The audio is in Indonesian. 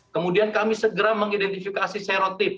kemudian kami segera mengidentifikasi serotip